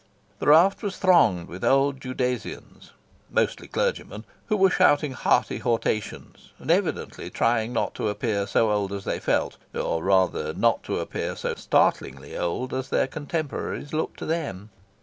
The raft was thronged with Old Judasians mostly clergymen who were shouting hearty hortations, and evidently trying not to appear so old as they felt or rather, not to appear so startlingly old as their contemporaries looked to them.